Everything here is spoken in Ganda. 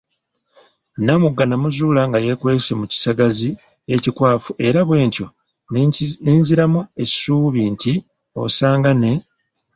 Namugga namuzuula nga yeekwese mu kisagazi ekikwafu era bwentyo nenziramu essuubi nti osanga ne